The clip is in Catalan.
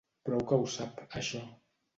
Prou que ho sap, això.